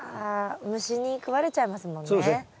ああ虫に食われちゃいますもんね。